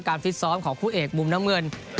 การฟิสซ้อมของคู่เอกมุมน้ำเมือง